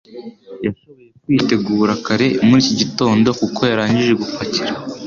Yashoboye kwitegura kare muri iki gitondo, kuko yarangije gupakira.